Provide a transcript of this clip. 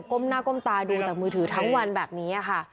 ้มหน้าก้มตาดูแต่มือถือทั้งวันแบบนี้ค่ะ